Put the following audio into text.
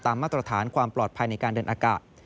มาตรฐานความปลอดภัยในการเดินอากาศ